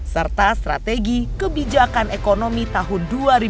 serta strategi kebijakan ekonomi tahun dua ribu dua puluh